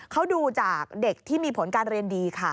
เขาดูจากเด็กที่มีผลการเรียนดีค่ะ